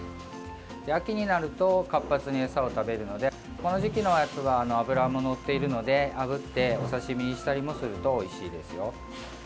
秋になると活発に餌を食べるのでこの時期のやつは脂ものっているのであぶってお刺身にしたりもするとおいしいですよ。